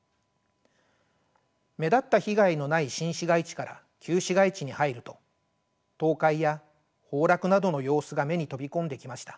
目立った被害のない新市街地から旧市街地に入ると倒壊や崩落などの様子が目に飛び込んできました。